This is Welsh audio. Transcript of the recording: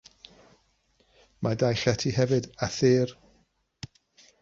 Mae dau lety hefyd, a thir.